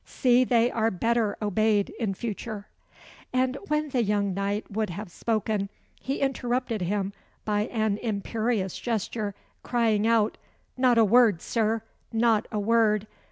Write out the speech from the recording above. See they are better obeyed in future." And, when the young knight would have spoken, he interrupted him by an imperious gesture, crying out, "Not a word, Sir! not a word!